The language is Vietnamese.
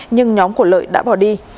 nhưng nhóm của lợi đã bỏ đi